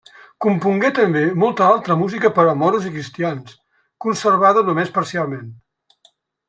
Compongué, també, molta altra música per a Moros i cristians, conservada només parcialment.